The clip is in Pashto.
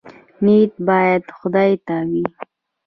نیت باید خدای ته وي